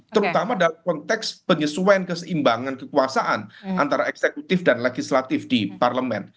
terutama dalam konteks penyesuaian keseimbangan kekuasaan antara eksekutif dan legislatif di parlemen